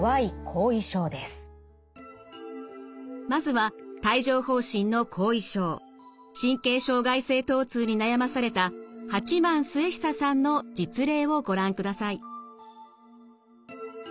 まずは帯状ほう疹の後遺症神経障害性とう痛に悩まされた八幡統久さんの実例をご覧ください。